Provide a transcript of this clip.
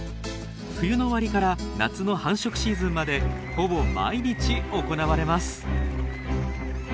冬の終わりから夏の繁殖シーズンまでほぼ毎日行われます。